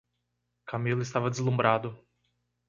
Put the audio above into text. Camilo estava deslumbrado.